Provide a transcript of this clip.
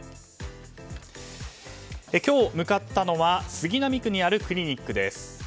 今日、向かったのは杉並区にあるクリニックです。